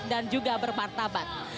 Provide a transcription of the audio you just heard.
dan juga bermartabat